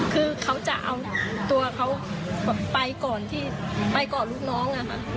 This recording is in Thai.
คือเขาจะเอาตัวไปก่อนลูกน้อง